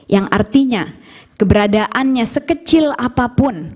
yang artinya keberadaannya sekecil apapun